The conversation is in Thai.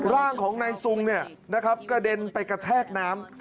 ร่างของนายซุงกระเด็นไปกระแทกน้ำ